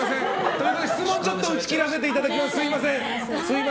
質問ちょっと打ち切らせていただきます。